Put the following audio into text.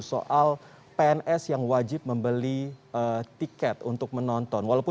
soal pns yang wajib membeli tiket untuk menonton